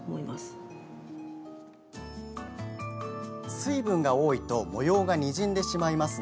水分が多いと模様がにじんでしまいます。